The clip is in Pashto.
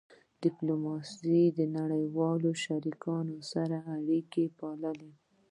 ډیپلوماسي د نړیوالو شریکانو سره اړیکې پالي.